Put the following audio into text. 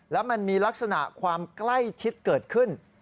แล้วมันมีลักษณะความใกล้ชิดเกิดขึ้น